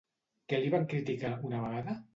Què li van criticar, una vegada?